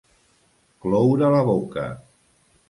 Cloure la boca.